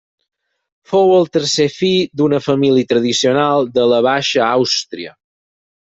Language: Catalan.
Fou el tercer fill d'una família tradicional de la Baixa Àustria.